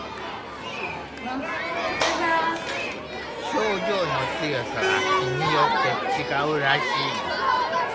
症状の強さは日によって違うらしい。